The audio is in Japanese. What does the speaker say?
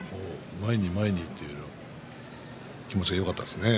前に前に気持ちがよかったですね。